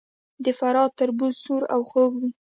د فراه تربوز سور او خوږ وي.